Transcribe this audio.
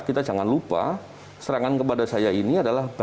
kita jangan lupa serangan kepada saya ini adalah